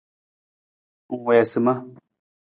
Ng wii asima.